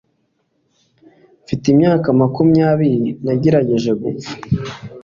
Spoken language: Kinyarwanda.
Mfite imyaka makumyabiri nagerageje gupfa